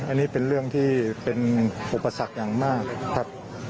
อันนี้เป็นเรื่องที่เป็นอุปสรรคอย่างมากครับ